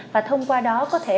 và thông qua đó có thể